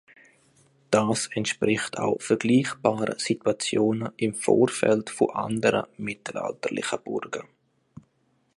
Das entspricht auch vergleichbaren Situationen im Vorfeld von anderen mittelalterlichen Burgen.